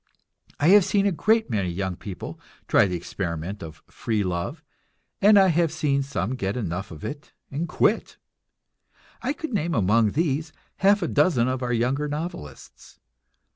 I have seen a great many young people try the experiment of "free love," and I have seen some get enough of it and quit; I could name among these half a dozen of our younger novelists.